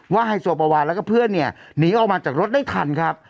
ว่าให้โสปวาแล้วก็เพื่อนเนี้ยหนีออกมาจากรถได้ทันครับ